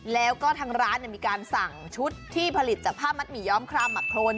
แล้วก็ทางร้านมีการสั่งชุดที่ผลิตจากผ้ามัดหมี่ย้อมครามหมักโครน